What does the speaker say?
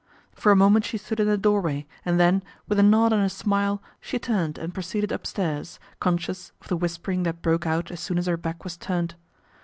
For a moment she stood in the doorway and then, with a nod and a smile, she turned and proceeded up stairs, conscious of the whispering that broke out as soon as her back was turned.